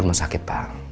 di rumah sakit pak